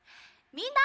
みんな！